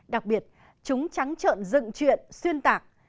đặc biệt chúng trắng trợn dựng chuyện xuyên tạc